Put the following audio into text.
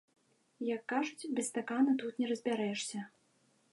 Як кажуць, без стакана тут не разбярэшся.